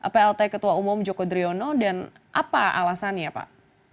plt ketua umum joko driono dan apa alasannya pak